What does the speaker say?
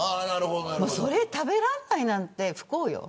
それを食べられないなんて不幸よ。